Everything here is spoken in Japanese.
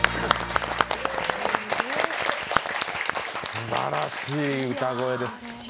すばらしい歌声です。